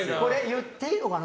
言っていいのかな